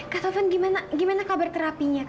kak tovan gimana kabar terapinya kak